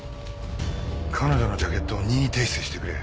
彼女のジャケットを任意提出してくれ。